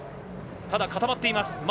ただ固まっています。